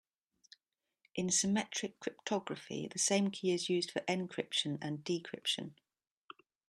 In symmetric cryptography the same key is used for encryption and decryption.